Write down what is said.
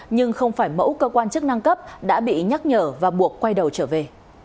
nhưng không phải mẫu cơ quan chức năng cấp đã bị nhắc nhở và buộc quay đầu trở về